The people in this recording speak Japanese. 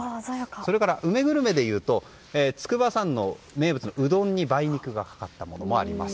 それから梅グルメでいうと筑波山の名物、うどんに梅肉がかかったものもあります。